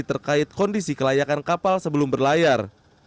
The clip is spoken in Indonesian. terkait kondisi kelayakan kapal sebelum berlayar